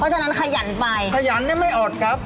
เพราะฉะนั้นขยันไปขยันไม่อดครับ